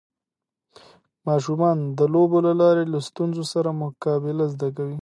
ماشومان د لوبو له لارې له ستونزو سره مقابله زده کوي.